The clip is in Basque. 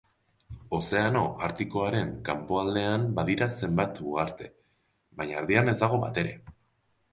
Ozeano Artikoaren kanpoaldean badira zenbait uharte, baina erdian ez dago batere.